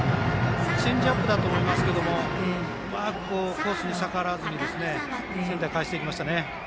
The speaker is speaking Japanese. チェンジアップだと思いますがうまくコースに逆らわずにセンターに返しました。